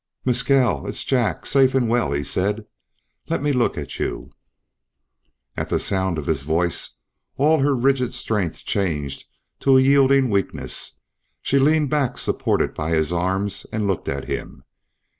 "Mescal! It's Jack, safe and well," he said. "Let me look at you." At the sound of his voice all her rigid strength changed to a yielding weakness; she leaned back supported by his arms and looked at him.